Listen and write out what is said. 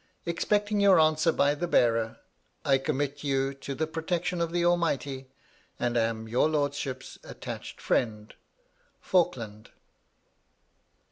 Expecting your answer by the bearer, I commit you to the protection of the Almighty, and am your Lordship's attached friend, 'FALKLAND.'